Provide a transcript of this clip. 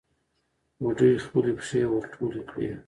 بوډۍ خپلې پښې ور ټولې کړې.